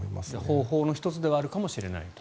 方法の１つではあるかもしれないと。